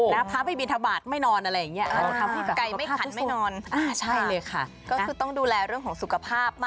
แล้วพระไปบินทบาทไม่นอนอะไรอย่างนี้